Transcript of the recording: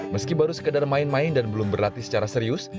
meski baru sekedar main main dan belum berlatih secara serius